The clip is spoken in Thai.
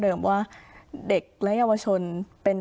เพราะฉะนั้นทำไมถึงต้องทำภาพจำในโรงเรียนให้เหมือนกัน